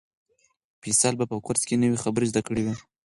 فیصل په کورس کې نوې خبرې زده کړې وې.